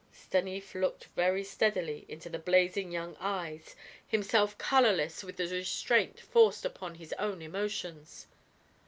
Stanief looked very steadily into the blazing young eyes, himself colorless with the restraint forced upon his own emotions.